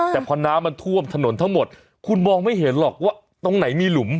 แต่พอน้ำมันท่วมถนนทั้งหมดคุณมองไม่เห็นหรอกว่าตรงไหนมีหลุม